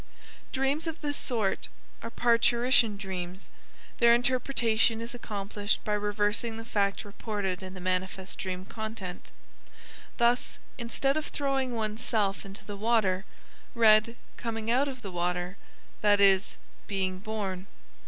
_ Dreams of this sort are parturition dreams; their interpretation is accomplished by reversing the fact reported in the manifest dream content; thus, instead of "throwing one's self into the water," read "coming out of the water," that is, "being born."